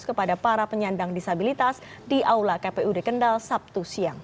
kepada para penyandang disabilitas di aula kpud kendal sabtu siang